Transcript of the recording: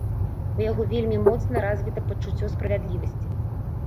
І ў яго вельмі моцна развіта пачуццё справядлівасці.